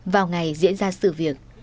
vào ngày diễn ra sự việc